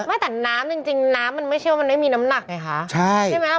ไม่แต่น้ำจริงน้ำมันไม่เชื่อว่ามันไม่มีน้ำหนักไงคะใช่ไหม